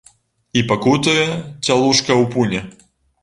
І пакутуе цялушка ў пуні.